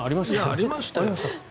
ありましたよ。